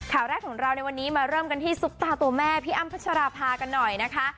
ข่าวแรกของเราในวันนี้มาเริ่มกันที่ซุปตาตัวแม่พี่อ้ำพัชราภากันหน่อยนะคะ